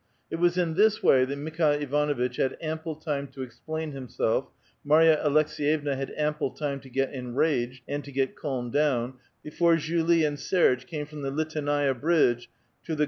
It was in this way that Mikhail Ivanuitch had ample time to explain himself, Marya Alek s6yevna had ample time to get enraged and to get calmed down, before Julie and Serge came from the Liteinai'a bridge to the Gorokhovai'a Street.